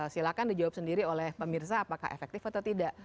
silahkan dijawab sendiri oleh pemirsa apakah efektif atau tidak